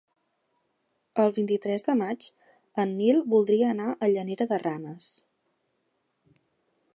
El vint-i-tres de maig en Nil voldria anar a Llanera de Ranes.